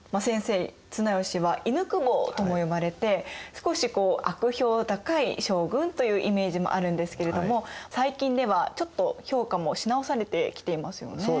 先生綱吉は「犬公方」とも呼ばれて少し悪評高い将軍というイメージもあるんですけれども最近ではちょっと評価もし直されてきていますよね。